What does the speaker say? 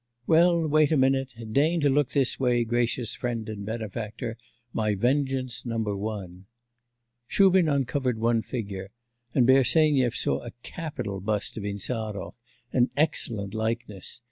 'Well, wait a minute. Deign to look this way, gracious friend and benefactor, my vengeance number one.' Shubin uncovered one figure, and Bersenyev saw a capital bust of Insarov, an excellent likeness.